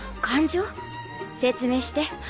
説明して。